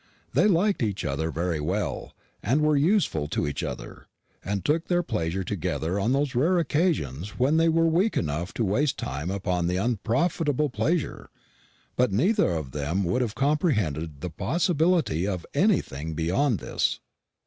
They liked each other very well, and were useful to each other, and took their pleasure together on those rare occasions when they were weak enough to waste time upon unprofitable pleasure; but neither of them would have comprehended the possibility of anything beyond this.